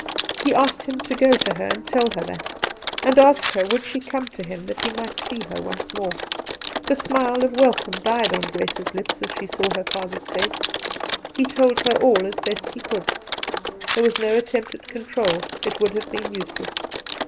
He asked him to go to her and tell her that, and ask her would she come to him that he might see her once more. 230 Two Christmas Days The smile of welcome died on Grace's lips as she saw her father's face. He told her all as best he could. There was no attempt at control — it would have been useless.